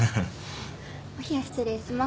お冷や失礼します。